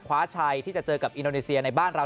คว้าชัยที่จะเจอกับอินโดนีเซียในบ้านเรา